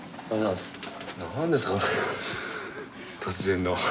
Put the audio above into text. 突然の。